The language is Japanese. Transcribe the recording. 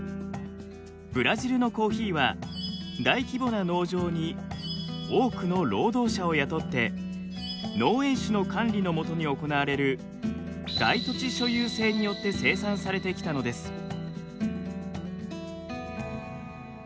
ブラジルのコーヒーは大規模な農場に多くの労働者を雇って農園主の管理の下に行われる大土地所有制によって生産されてきたのです。